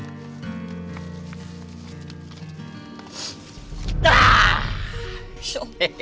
aku mau ke rumah